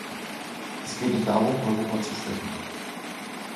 Es geht nicht darum, Europa zu schwächen.